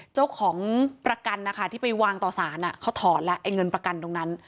เจ้าของประกันนะคะที่ไปวางต่อสารเขาถอนแล้วไอ้เงินประกันตรงนั้น